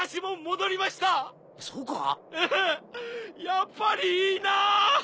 やっぱりいいなぁ。